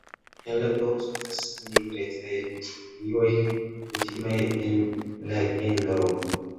En la dorso estas nigrecaj strioj kutimaj en la genro.